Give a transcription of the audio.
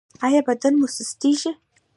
ایا بدن مو سستیږي؟